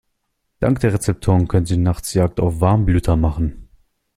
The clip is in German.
Dank der Rezeptoren können sie nachts Jagd auf Warmblüter machen.